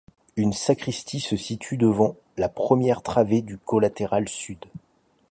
Une sacristie se situe devant la première travée du collatéral sud.